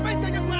sambil ke bawah